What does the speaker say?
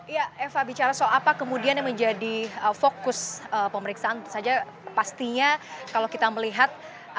ya eva bicara soal apa kemudian yang menjadi fokus pemeriksaan saja pastinya kalau kita melihat